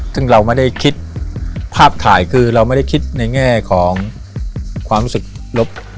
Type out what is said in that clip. ซึ่งเราไม่ได้คิดภาพถ่ายคือเราไม่ได้คิดในแง่ของความรู้สึกลบ